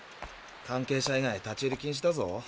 関係者以外立ち入り禁止だぞ。